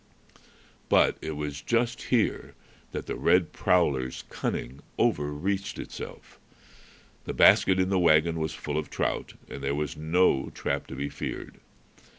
But it was just here that the red prowler's cunning overreached itself. The basket in the wagon was full of trout, and there was no trap to be feared.